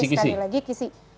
ya sekali lagi